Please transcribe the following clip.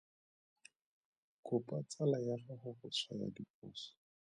Kopa tsala ya gago go tshwaya diphoso.